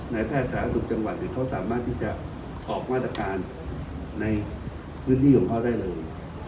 นายแพทย์การค้าศูปอย่างจังหวัดสามารถที่จะออกวาดการณ์ในพื้นที่ของเขาได้เลย